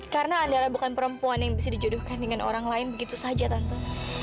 karena andara bukan perempuan yang bisa dijodohkan dengan orang lain begitu saja tante